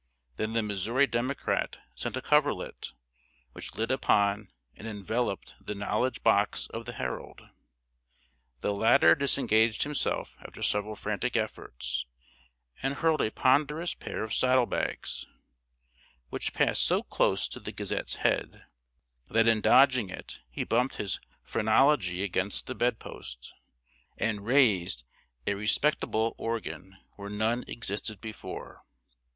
Then The Missouri Democrat sent a coverlet, which lit upon and enveloped the knowledge box of The Herald. The latter disengaged himself after several frantic efforts, and hurled a ponderous pair of saddle bags, which passed so close to The Gazette's head, that in dodging it he bumped his phrenology against the bed post, and raised a respectable organ where none existed before.